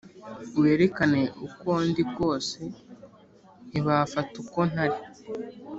Werekane uko ndi kose ntifata uko ntari